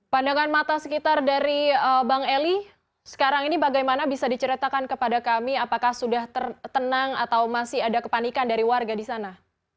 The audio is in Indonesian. pandangan mata sekitar dari bang eli sekarang ini bagaimana bisa diceritakan kepada kami apakah sudah tenang atau masih ada kepanikan dari warga di sana